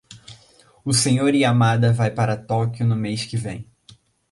O Sr. Yamada vai para Tóquio no mês que vem.